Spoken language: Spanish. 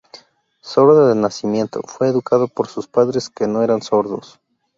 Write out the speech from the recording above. Sordo de nacimiento, fue educado por sus padres, que no eran sordos.